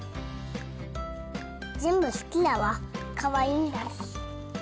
全部好きだわかわいいんだし。